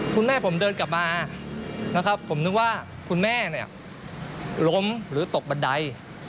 คุณแม่ผมเดินกลับมานะครับผมนึกว่าคุณแม่เนี่ยล้มหรือตกบันได